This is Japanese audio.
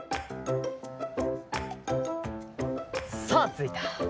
さあついた。